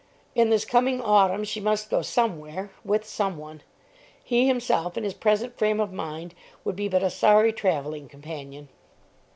In this coming autumn she must go somewhere, with someone. He himself, in his present frame of mind, would be but a sorry travelling companion.